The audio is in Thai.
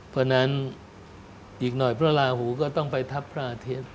เพราะฉะนั้นอีกหน่อยพระราหูก็ต้องไปทับพระอาทิตย์